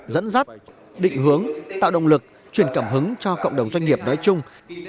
dẫn dắt định hướng tạo động lực truyền cảm hứng cho cộng đồng doanh nghiệp nói chung